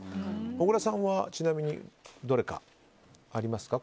小倉さんはちなみにどれかありますか？